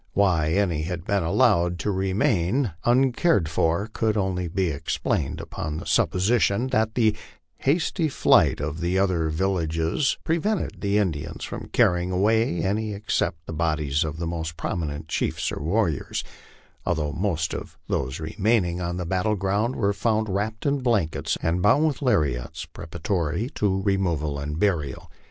Why any had been allowed to remain uncared for, could only be explained upon the supposition that the hasty flight of the other villa ges prevented the Indians from carrying away any except the bodies of the most prominent chiefs or warriors, although most of those remaining on the battle ground were found wrapped in blankets and bound with lariats prepara tory to removal and burial.